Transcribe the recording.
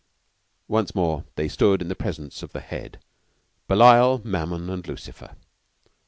Once more they stood in the presence of the Head Belial, Mammon, and Lucifer.